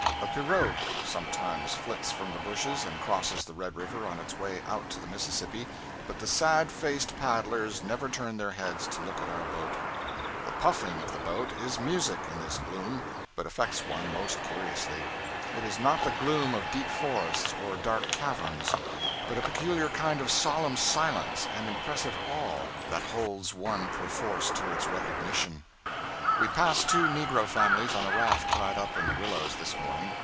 A pirogue sometimes flits from the bushes and crosses the Red River on its way out to the Mississippi, but the sad faced paddlers never turn their heads to look at our boat. The puffing of the boat is music in this gloom, which affects one most curiously. It is not the gloom of deep forests or dark caverns, but a peculiar kind of solemn silence and impressive awe that holds one perforce to its recognition. We passed two negro families on a raft tied up in the willows this morning.